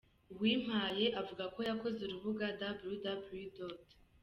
Uwimpaye avuga ko yakoze urubuga www.